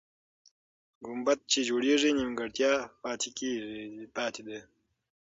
ګمبد چې جوړېږي، نیمګړی پاتې دی.